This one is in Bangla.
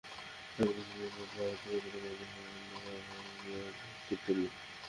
তবে তিনি সিদ্ধান্ত নিয়েছেন, হাসপাতাল পরিচালনা কমিটির সামনের সভায় বিষয়টি তুলবেন।